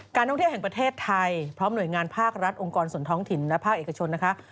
ท่องเที่ยวแห่งประเทศไทยพร้อมหน่วยงานภาครัฐองค์กรส่วนท้องถิ่นและภาคเอกชนนะคะ